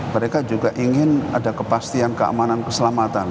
mereka juga ingin ada kepastian keamanan keselamatan